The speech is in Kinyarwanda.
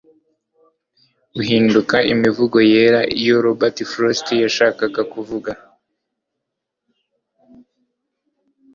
uhinduka imivugo yera iyo Robert Frost yashakaga kuvuga